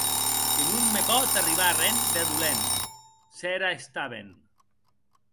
Que non me pòt arribar arren de dolent s’era està ben.